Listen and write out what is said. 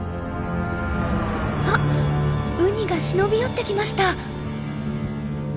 ウニが忍び寄ってきました。